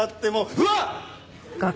うわっ！